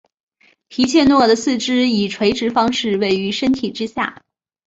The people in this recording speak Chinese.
提契诺鳄的四肢以垂直方式位于身体之下。